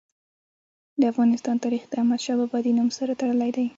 د افغانستان تاریخ د احمد شاه بابا د نوم سره تړلی دی.